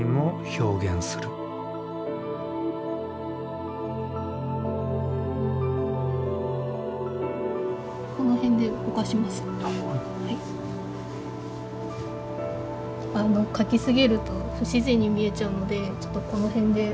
描きすぎると不自然に見えちゃうのでちょっとこの辺で止めておきます。